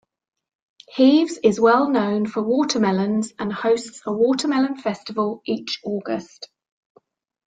Heves is well known for watermelons and hosts a watermelon festival each August.